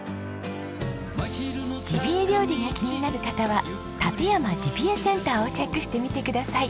ジビエ料理が気になる方は館山ジビエセンターをチェックしてみてください。